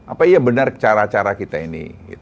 apa iya benar cara cara kita ini